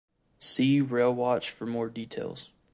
See Railwatch for more details.